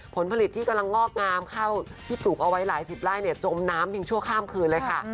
ผลผลิตที่กำลังงอกงามเข้าที่ปลูกเอาไว้หลายสิบไร่เนี่ยจมน้ำเพียงชั่วข้ามคืนเลยค่ะ